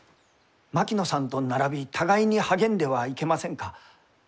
槙野さんと並び互いに励んではいけませんか？